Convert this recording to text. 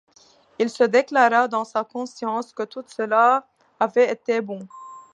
Il se déclara dans sa conscience que tout cela avait été bon.